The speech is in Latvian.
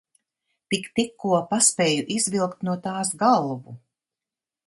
Tik tikko paspēju izvilkt no tās galvu!